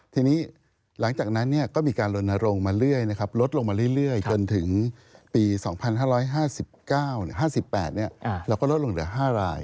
ทีนี้หลังจากนั้นก็มีการลนโรงมาเรื่อยลดลงมาเรื่อยจนถึงปี๒๕๕๙๕๘เราก็ลดลงเหลือ๕ราย